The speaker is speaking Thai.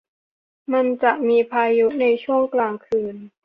มันจะมีพายุในช่วงกลางคืน